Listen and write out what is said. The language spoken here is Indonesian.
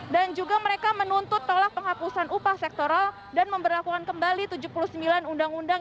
dan juga mereka menuntut tolak penghapusan upah sektoral dan memperlakukan kembali tujuh puluh sembilan undang undang